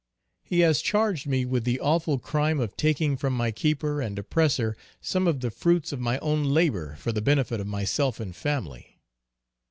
He has charged me with the awful crime of taking from my keeper and oppressor, some of the fruits of my own labor for the benefit of myself and family.